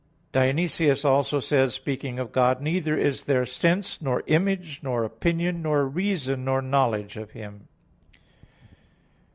Dionysius also says (Div. Nom. i), speaking of God: "Neither is there sense, nor image, nor opinion, nor reason, nor knowledge of Him."